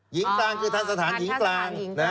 หญิงกลางคือท่านสถานหญิงกลาง